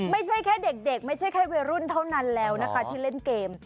ไม่ใช่แค่เด็กไม่ใช่แค่วัยรุ่นเท่านั้นแล้วนะคะที่เล่นเกม